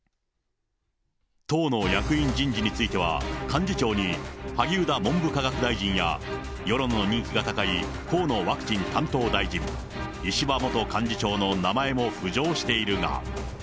党の役員人事については幹事長に萩生田文部科学大臣や、世論の人気が高い河野ワクチン担当大臣、石破元幹事長の名前も浮上しているが。